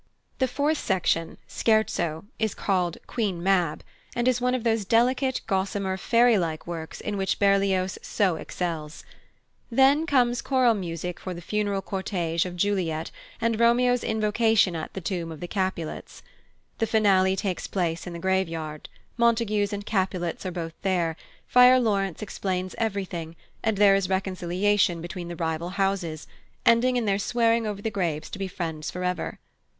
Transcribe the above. The fourth section (Scherzo) is called "Queen Mab," and is one of those delicate, gossamer, fairylike works in which Berlioz so excels. Then come choral music for the funeral cortege of Juliet, and Romeo's invocation at the tomb of the Capulets. The finale takes place in the graveyard: Montagues and Capulets are both there, Friar Laurence explains everything, and there is reconciliation between the rival houses, ending in their swearing over the graves to be friends for ever.